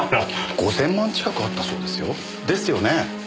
５千万近くあったそうですよ。ですよね？